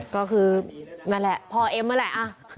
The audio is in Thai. ก็คือนั่นแหละพ่อเอ็มนั่นแหละ